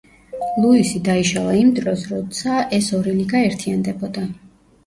ლუისი დაიშალა იმ დროს, როცა ეს ორი ლიგა ერთიანდებოდა.